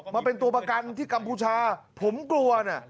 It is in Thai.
มาเป็นตัวประกันที่กัมพูชาผมกลัวนะ